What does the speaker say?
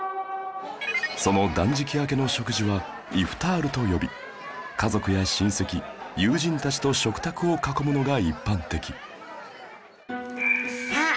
その断食明けの食事はイフタールと呼び家族や親戚友人たちと食卓を囲むのが一般的さあ